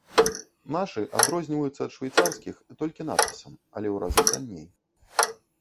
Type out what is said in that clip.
Нашы адрозніваюцца ад швейцарскіх толькі надпісам, але ў разы танней.